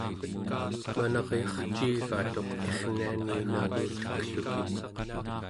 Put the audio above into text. manaryarciigatuq irniani nagutekluki